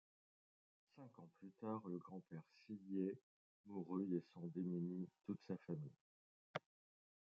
Cinq ans plus tard, le grand-père Cilliers mourut laissant démunie toute sa famille.